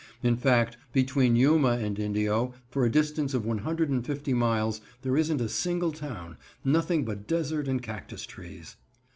In fact, between Yuma and Indio, for a distance of one hundred and fifty miles, there isn't a single town nothing but desert and cactus trees.